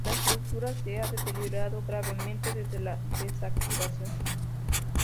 La estructura se ha deteriorado gravemente desde la desactivación.